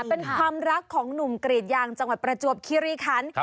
เป็นความรักของหนุ่มกรีดยางจังหวัดประจวบคิริคัน